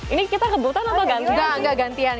ini kita kebutuhan atau gantian